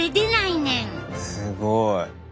すごい。